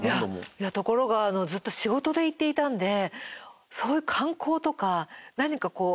いやところがずっと仕事で行っていたんでそういう観光とか何かこう。